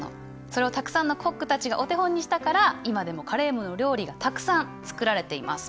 それをたくさんのコックたちがお手本にしたから今でもカレームの料理がたくさん作られています。